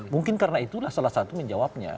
mungkin karena itulah salah satu menjawabnya